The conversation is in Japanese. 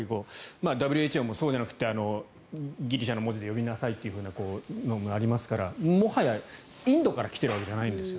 ＷＨＯもそうではなくてそうじゃなくてギリシャの文字で呼びなさいというのもありますからもはや、インドから来ているわけじゃないんですよ。